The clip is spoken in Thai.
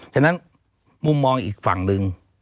ฉะนั้นมุมมองอีกฝั่งหนึ่ง